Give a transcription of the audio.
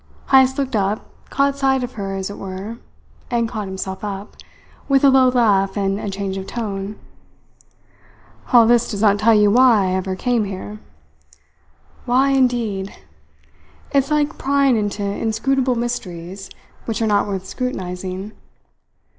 Heyst looked up, caught sight of her as it were, and caught himself up, with a low laugh and a change of tone. "All this does not tell you why I ever came here. Why, indeed? It's like prying into inscrutable mysteries which are not worth scrutinizing.